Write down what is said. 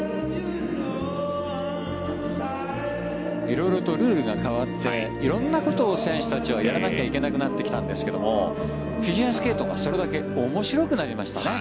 色々とルールが変わって色んなことを選手たちはやらなきゃいけなくなってきたんですけどもフィギュアスケートがそれだけ面白くなりましたね。